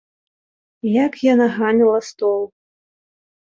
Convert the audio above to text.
Як яна ганіла стол!